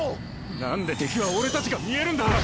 なんで敵は俺たちが見えるんだ？